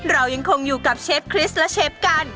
เรายังคงอยู่กับเชฟคริสและเชฟกัน